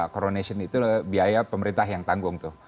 coronation itu biaya pemerintah yang tanggung tuh